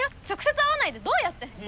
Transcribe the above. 直接会わないでどうやって。